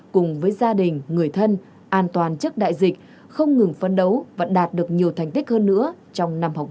cùng với gia đình người thân an toàn trước đại dịch không ngừng phấn đấu và đạt được nhiều thành tích hơn nữa trong năm học